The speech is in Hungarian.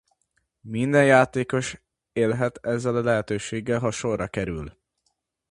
Minden játékos élhet ezzel a lehetőséggel, ha sorra kerül.